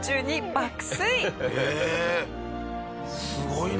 すごいな！